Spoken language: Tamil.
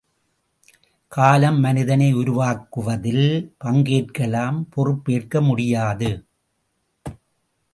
காலம் மனிதனை உருவாக்குவதில் பங்கேற்கலாம் பொறுப்பேற்க முடியாது.